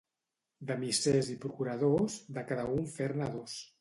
De missers i procuradors, de cada un fer-ne dos.